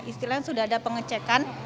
istilahnya sudah ada pengecekan